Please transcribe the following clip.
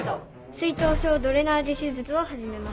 水頭症ドレナージ手術を始めます。